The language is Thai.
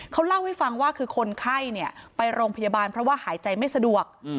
เขาเล่าให้ฟังว่าคือคนไข้ไปโรงพยาบาลเพราะว่าหายใจไม่สะดวก